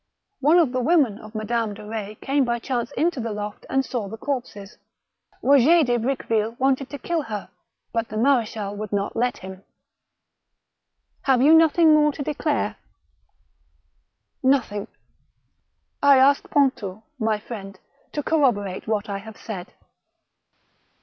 One of the women of Madame de Retz came by chance into the loft and saw the corpses. Roger de Briqueville wanted to kill her, but the mar6chal would not let him." " Have you nothing more to declare ?"" Nothing. I ask Pontou, my friend, to corroborate what I have said."